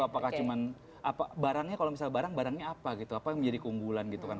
apakah cuma barangnya kalau misalnya barang barangnya apa gitu apa yang menjadi keunggulan gitu kan